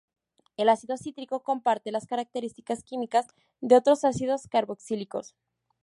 El ácido cítrico comparte las características químicas de otros ácidos carboxílicos.